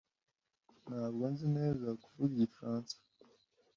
Ntabwo nzi neza kuvuga Igifaransa.